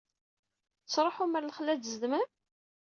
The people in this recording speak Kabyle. Tettṛuḥum ɣer lexla ad zedmem?